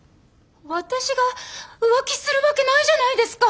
私が浮気するわけないじゃないですか！